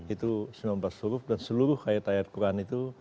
itu sembilan belas huruf dan seluruh ayat ayat quran itu